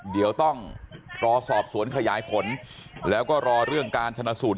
เดี๋ยวต้องรอสอบสวนขยายผลแล้วก็รอเรื่องการชนะสูตร